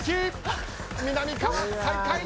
みなみかわ最下位。